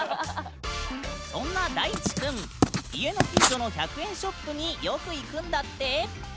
そんな大智くん家の近所の１００円ショップによく行くんだって。